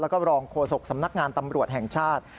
แล้วก็รองโฆษกสำนักงานตำรวจแห่งชาติ